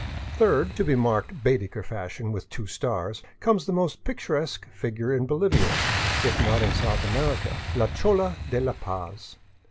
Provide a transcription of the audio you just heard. Third (to be marked Baedeker fashion with two stars) comes the most picturesque figure in Bolivia, if not in South America, — la chola de La Paz.